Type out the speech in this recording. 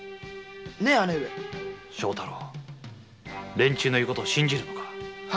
連中の言うことを信じるのか？